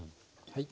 はい。